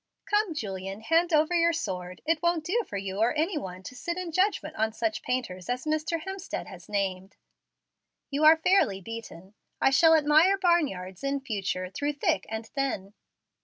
"Come, Julian, hand over your sword. It won't do for you or any one to sit in judgment on such painters as Mr. Hemstead has named. You are fairly beaten. I shall admire barn yards in future, through thick and thin."